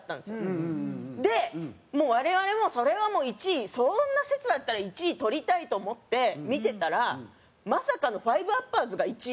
でもう我々もそれは１位そんな説があったら１位取りたいと思って見てたらまさかの５ｕｐｐｅｒｓが１位で。